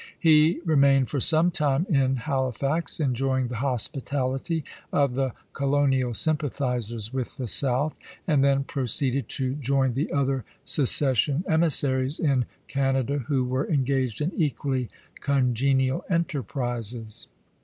He remained for some time in Halifax, enjoying the hospitality of the colonial sympa thizers with the South, and then proceeded to join the other secession emissaries in Canada who were engaged in equally congenial enterprises.